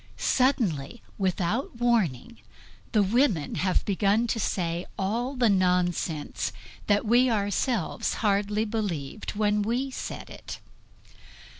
Suddenly, without warning, the women have begun to say all the nonsense that we ourselves hardly believed when we said it.